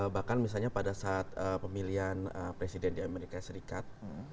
bahkan misalnya pada saat pemilihan presiden di amerika serikat